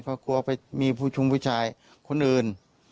ก็กลัวไปมีชุมผู้ชายคนอื่น